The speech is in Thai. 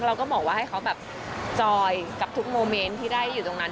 เราก็บอกว่าให้เขาแบบจอยกับทุกโมเมนต์ที่ได้อยู่ตรงนั้น